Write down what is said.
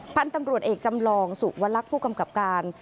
พันธุ์ตำรวจเอกจำลองสุวลักษณ์ผู้กำกับการ